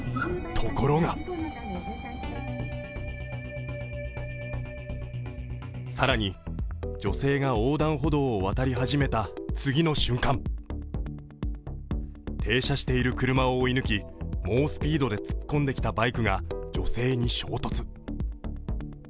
ところが更に女性が横断歩道を渡り始めた次の瞬間、停車している車を追い抜き猛スピードで突っ込んできたバイクが女性に衝突。